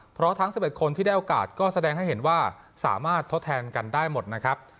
เพราะทั้ง๑๑คนที่ได้โอกาสก็แสดงให้เห็นว่าสามารถทดแทนกันได้หมดนะครับ